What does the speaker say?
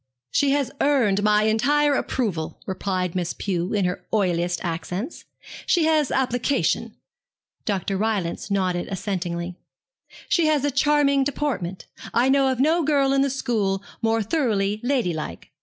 'She has earned my entire approval,' replied Miss Pew, in her oiliest accents. 'She has application.' Dr. Rylance nodded assentingly. 'She has a charming deportment. I know of no girl in the school more thoroughly ladylike.